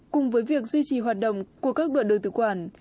cùng với việc duy trì hoạt động của các đoạn đường tự quản